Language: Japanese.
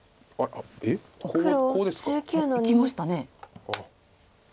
いきましたね。